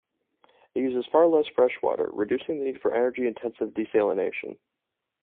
It uses far less fresh water, reducing the need for energy-intensive desalination.